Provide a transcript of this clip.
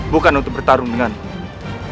bukan untuk bertarung denganmu